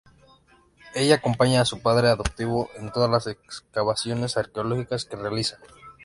Ella acompaña a su padre adoptivo en todas las excavaciones arqueológicas que realiza.